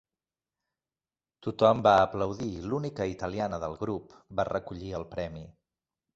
Tothom va aplaudir i l'única italiana del grup va recollir el premi.